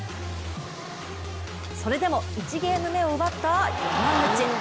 それでも１ゲーム目を奪った山口。